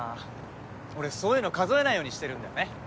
俺そういうの数えないようにしてるんだよね